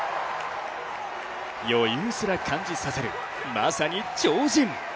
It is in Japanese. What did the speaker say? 余裕すら感じさせるまさに超人！